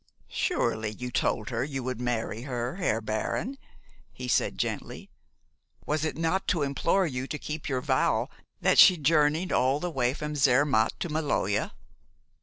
"Surely you told her you would marry her, Herr Baron?" he said gently. "Was it not to implore you to keep your vow that she journeyed all the way from Zermatt to the Maloja?